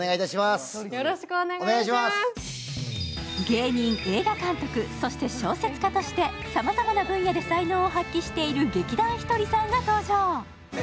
芸人、映画監督、そして小説家としてさまざまな分野で才能を発揮している劇団ひとりさんが登場。